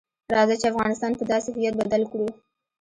راځئ چې افغانستان په داسې هویت بدل کړو.